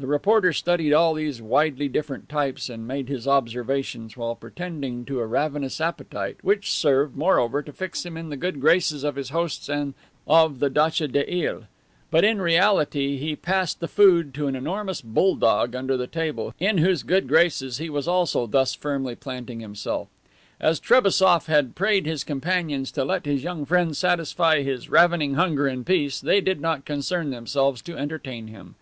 The reporter studied all these widely different types and made his observations while pretending to a ravenous appetite, which served, moreover, to fix him in the good graces of his hosts of the datcha des Iles. But, in reality, he passed the food to an enormous bull dog under the table, in whose good graces he was also thus firmly planting himself. As Trebassof had prayed his companions to let his young friend satisfy his ravening hunger in peace, they did not concern themselves to entertain him.